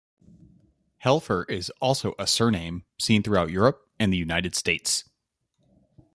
"Helfer" is also a surname seen throughout Europe and the United States.